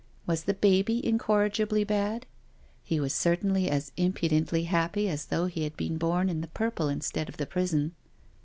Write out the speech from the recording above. Was the baby incorrigibly bad? He was certainly as impudently happy as though he had been born in the " purple " instead of the prison.